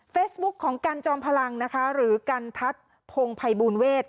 ของกันจอมพลังนะคะหรือกันทัศน์พงภัยบูลเวท